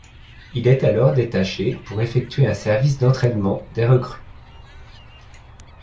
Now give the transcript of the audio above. Il est alors détaché pour effectuer un service d'entraînement des recrues.